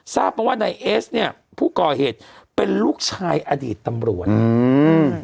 ทราบมาว่านายเอสเนี้ยผู้ก่อเหตุเป็นลูกชายอดีตตำรวจอืม